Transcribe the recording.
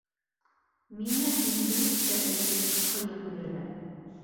Миңә инглизсә әйтелеш ҡыйын бирелә